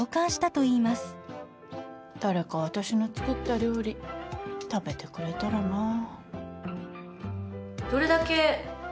誰か私の作った料理食べてくれたらなぁ。